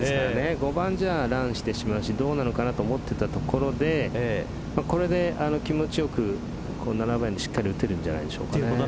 ５番だとダウンしてしまうしどうなのかなと思っていたところでこれで気持ちよく７番にしっかり打てるんじゃないでしょうか。